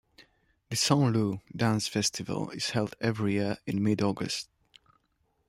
The Saint Loup dance festival is held every year in mid-August.